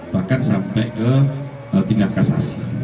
bahkan sampai ke tingkat kasas